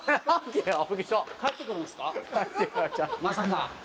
まさか。